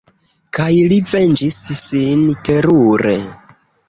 Kaj li venĝis sin terure.